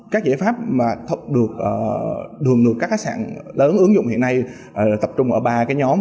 các giải pháp mà được đường được các khách sạn lớn ứng dụng hiện nay tập trung ở ba cái nhóm